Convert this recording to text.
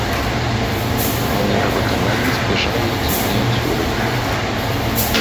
Манера выканання збліжае іх з мініяцюрай.